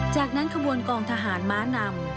จากนั้นขบวนกองทหารม้านำ